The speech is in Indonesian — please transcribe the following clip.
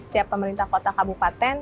setiap pemerintah kota kabupaten